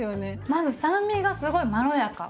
まず酸味がすごいまろやか。